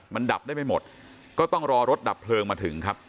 มันดับได้ไม่หมดก็ต้องรอรถดับเพลิงมาถึงครับ